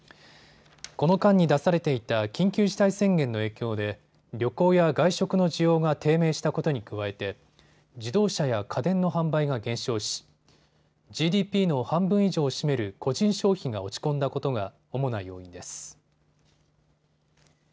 この間に出されていた緊急事態宣言の影響で旅行や外食の需要が低迷したことに加えて自動車や家電の販売が減少しＧＤＰの半分以上を占める個人消費が落ち込んだことが主な要因です。